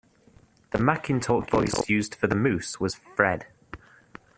The Macintalk voice used for the Moose was 'Fred'.